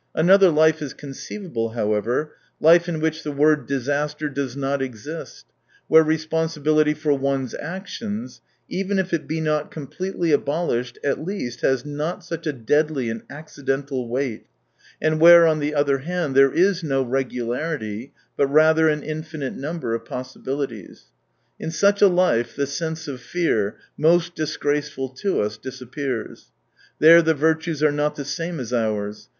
Another life is conceivable, how ever : life in which the word disaster does not exist, where responsibility for one's actions, even if it be not completely abolish ed, at least has not such a deadly and accidental weight, and where, on the other hand, there is no " regularity," but rather an infinite number of possibilities. In such a life the sense of fear — most disgraceful to us — disappears. There the virtues are not the same as ours.